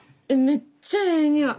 めっちゃええにおい！